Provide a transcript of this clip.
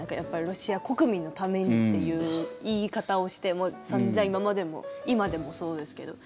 ロシア国民のためにという言い方をして散々、今までも今でもそうですけど。